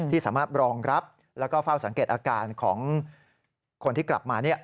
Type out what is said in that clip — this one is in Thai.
สามารถรองรับแล้วก็เฝ้าสังเกตอาการของคนที่กลับมา